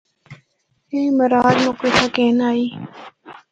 اے مراد مُکّو اِتھا گِن آئی۔